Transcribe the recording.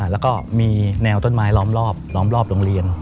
แล้วก็มีแนวต้นไม้ล้อมรอบล้อมรอบโรงเรียน